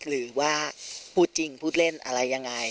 หรือว่าพูดจริงพูดเล่นอะไรยังไง